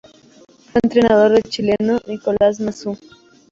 Fue entrenador del chileno Nicolás Massú.